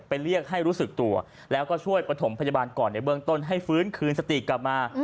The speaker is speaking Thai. เรียกให้รู้สึกตัวแล้วก็ช่วยประถมพยาบาลก่อนในเบื้องต้นให้ฟื้นคืนสติกลับมา